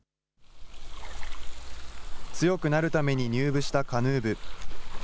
強くなるために入部したカヌー部。